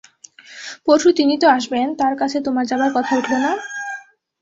পরশু তিনি তো আসবেন, তাঁর কাছে তোমার যাবার কথা উঠল না?